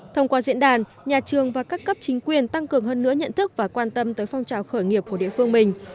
thông qua diễn đàn nhà trường và các cấp chính quyền tăng cường hơn nữa nhận thức và quan tâm tới phong trào khởi nghiệp của địa phương mình